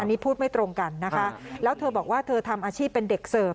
อันนี้พูดไม่ตรงกันนะคะแล้วเธอบอกว่าเธอทำอาชีพเป็นเด็กเสิร์ฟ